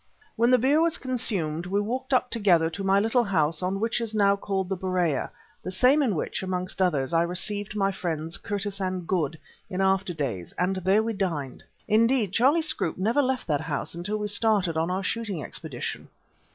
When the beer was consumed we walked up together to my little house on what is now called the Berea, the same in which, amongst others, I received my friends, Curtis and Good, in after days, and there we dined. Indeed, Charlie Scroope never left that house until we started on our shooting expedition.